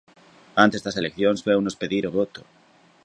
Antes das eleccións veunos pedir o voto.